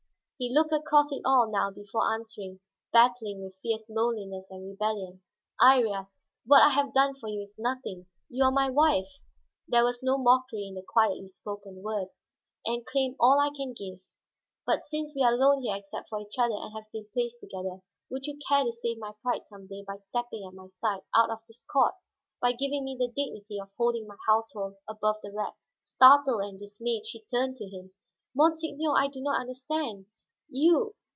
He looked across it all now before answering, battling with fierce loneliness and rebellion. "Iría, what I have done for you is nothing. You are my wife," there was no mockery in the quietly spoken word, "and claim all I can give. But, since we are alone except for each other and have been placed together, would you care to save my pride some day by stepping at my side out of this court? By giving me the dignity of holding my household above the wreck?" Startled and dismayed, she turned to him. "Monseigneur, I do not understand!